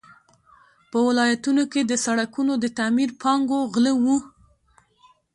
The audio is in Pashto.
په ولایتونو کې د سړکونو د تعمیر پانګو غله وو.